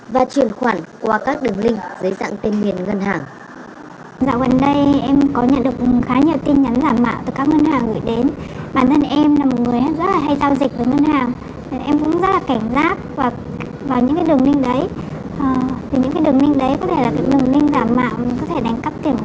và truyền khoản qua các đường linh dưới dạng tên miền ngân hàng